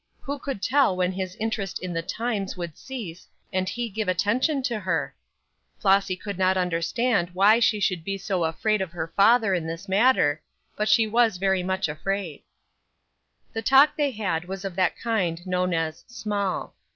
Who could tell when his interest in the Times would cease, and he give attention to her? Flossy could not understand why she should be so afraid of her father in this matter; but she was very much afraid. The talk they had was of that kind known as "small."